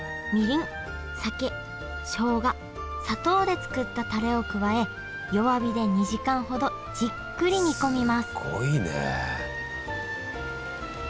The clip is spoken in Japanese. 酒しょうが砂糖で作ったタレを加え弱火で２時間ほどじっくり煮込みます